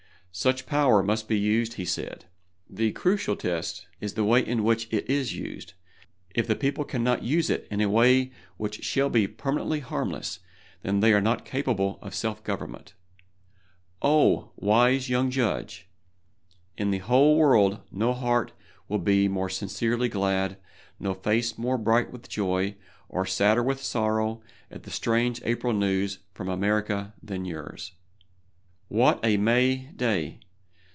Such power must be used, he said; the crucial test is the way in which it is used. If the people cannot use it in a way which shall be permanently harmless, then they are not capable of self government. Oh, wise young judge! In the whole world no heart will be more sincerely glad, no face more bright with joy, or sadder with sorrow, at the strange April news from America than yours! What a May day!